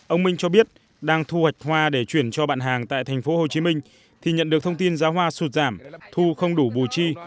ông minh cho biết đang thu hoạch hoa để chuyển cho bạn hàng tại thành phố hồ chí minh thì nhận được thông tin giá hoa sụt giảm thu không đủ bù chi